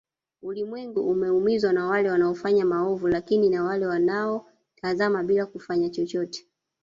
Ulimwengu umeumizwa na wale wanaofanya maovu lakini na wale wanao watazama bila kufanya chochote